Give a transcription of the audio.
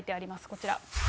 こちら。